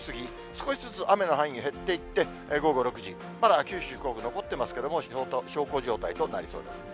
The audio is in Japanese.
少しずつ雨の範囲が減っていって、午後６時、まだ九州、残ってますけども、小康状態となりそうです。